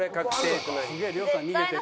すげえ亮さん逃げてる。